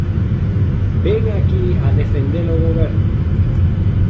¿Vén aquí a defender o Goberno?